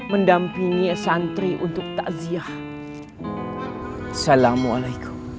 mendapatkan kerana dia tidak bisa menunggu perintah ini